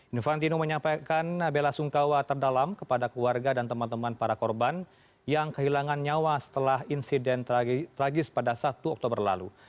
infantino menyampaikan bela sungkawa terdalam kepada keluarga dan teman teman para korban yang kehilangan nyawa setelah insiden tragis pada satu oktober lalu